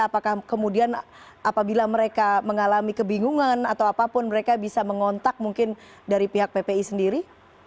apakah kemudian apabila mereka mengalami kebingungan atau apapun mereka bisa mengontak mungkin dari pihak ppi sendiri